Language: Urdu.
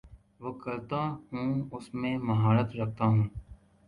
وہ کرتا ہوں اس میں مہارت رکھتا ہوں